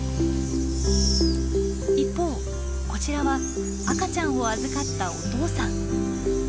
一方こちらは赤ちゃんを預かったお父さん。